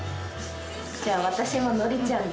じゃあ私も典ちゃんで。